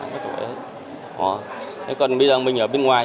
thế còn bây giờ mình ở bên ngoài